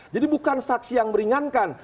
jadi bukan saksi yang meringankan